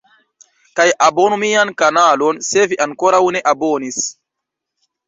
Kaj abonu mian kanalon se vi ankoraŭ ne abonis